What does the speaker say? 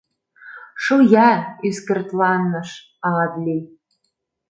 — Шоя, — ӱскыртланыш Аадли.